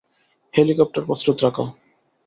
Helicopter প্রস্তুত রাখো।